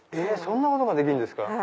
そんなことができるんですか！